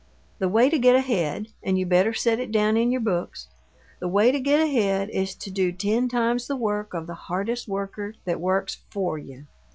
The way to get ahead and you better set it down in your books the way to get ahead is to do ten times the work of the hardest worker that works FOR you.